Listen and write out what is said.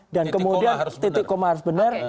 dan kemudian titik koma harus benar